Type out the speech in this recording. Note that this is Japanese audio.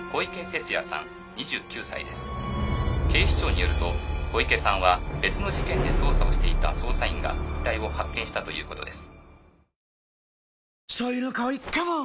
警視庁によると小池さんは別の事件で捜査をしていた捜査員が遺体を発見したということです。